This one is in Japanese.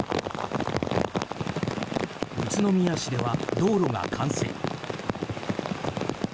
宇都宮市では道路が冠水。